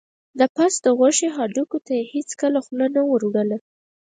د پس د غوښې هډوکي ته یې هېڅکله خوله نه وروړله.